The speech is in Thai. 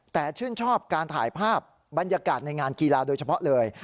แต่ชื่นชอบการถ่ายภาพบรรยากาศในงานกีฬาโดยเฉพาะเลย